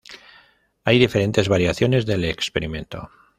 Hay diferentes variaciones del experimento.